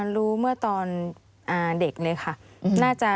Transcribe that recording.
รู้เมื่อตอนเด็กเลยค่ะ